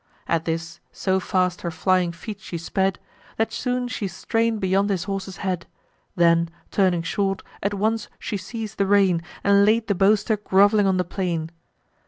At this, so fast her flying feet she sped, That soon she strain'd beyond his horse's head: Then turning short, at once she seiz'd the rein, And laid the boaster grov'ling on the plain.